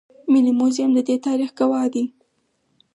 ملي موزیم د دې تاریخ ګواه دی